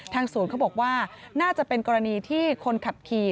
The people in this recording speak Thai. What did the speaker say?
ศูนย์เขาบอกว่าน่าจะเป็นกรณีที่คนขับขี่